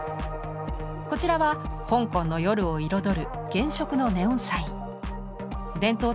こちらは香港の夜を彩る原色のネオンサイン。